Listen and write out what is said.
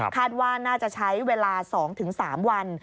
ว่าน่าจะใช้เวลา๒๓วัน